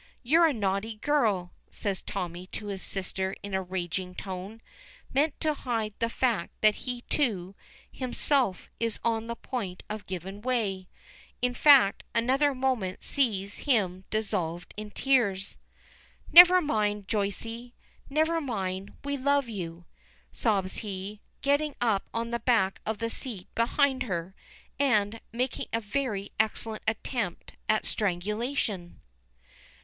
You're a naughty girl," says Tommy, to his sister in a raging tone, meant to hide the fact that he too, himself is on the point of giving way; in fact, another moment sees him dissolved in tears. "Never mind, Joycie. Never mind. We love you!" sobs he, getting up on the back of the seat behind her, and making a very excellent attempt at strangulation.